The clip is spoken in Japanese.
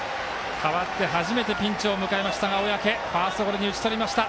代わって初めてピンチを迎えましたが、小宅ファーストゴロに打ち取りました。